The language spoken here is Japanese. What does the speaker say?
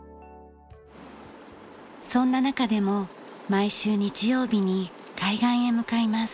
そんな中でも毎週日曜日に海岸へ向かいます。